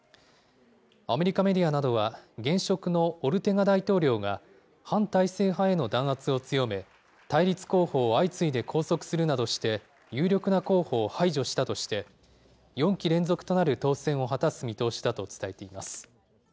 アメリカメディアなどは、現職のオルテガ大統領が、反体制派への弾圧を強め、対立候補を相次いで拘束するなどして、有力な候補を排除したとして、４期連続となる当選を果たす見通しだと伝えています。